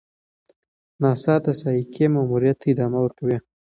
ناسا د سایکي ماموریت ته ادامه ورکوي.